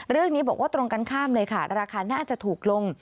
เรื่องนี้บอกว่าตรงกันข้ามเลยค่ะราคาน่าจะถูกลง